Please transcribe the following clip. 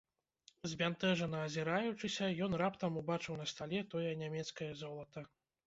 Збянтэжана азіраючыся, ён раптам убачыў на стале тое нямецкае золата.